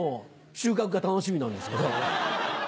収穫が楽しみなんですけど。